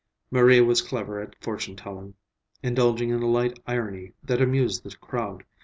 Marie was clever at fortune telling, indulging in a light irony that amused the crowd.